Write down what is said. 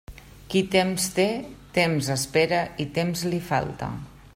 Qui temps té, temps espera i temps li falta.